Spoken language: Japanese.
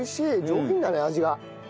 上品だね味が。